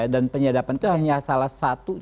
dan penyadapan itu hanya salah satu